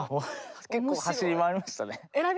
結構走り回りましたね。